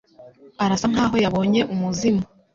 Arasa nkaho yabonye umuzimu.